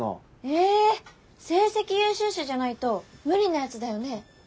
え成績優秀者じゃないと無理なやつだよね？